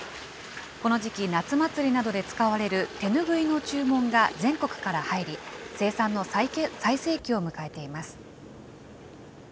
この時期、夏祭りなどで使われる手拭いの注文が全国から入り、生産の最盛期を迎えています。